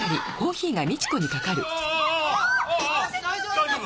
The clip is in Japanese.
大丈夫！？